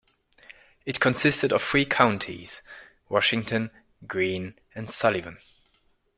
It consisted of three counties - Washington, Greene, and Sullivan.